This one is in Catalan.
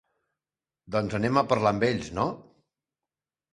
Doncs anem a parlar amb ells, no?